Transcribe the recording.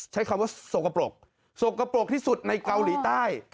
ใช้คำว่าโศกกระโปรกโศกกระโปรกที่สุดในเกาหลีใต้